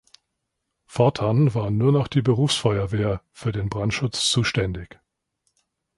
Fortan war nur noch die Berufsfeuerwehr für den Brandschutz zuständig.